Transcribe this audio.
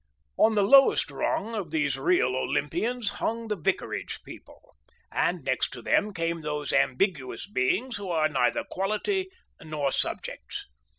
On the lowest fringe of these real Olympians hung the vicarage people, and next to them came those ambiguous beings who are neither quality nor subjects.